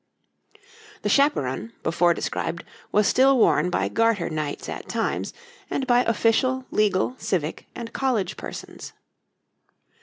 (1485 1509)] The chaperon, before described, was still worn by Garter Knights at times, and by official, legal, civic, and college persons.